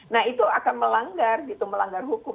nah itu akan melanggar hukum